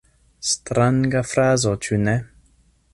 Stranga frazo, ĉu ne?